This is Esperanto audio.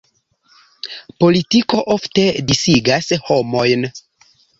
Politiko ofte disigas homojn.